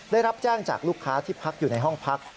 ได้รับแจ้งจากลูกค้าที่พักอยู่ในห้องพัก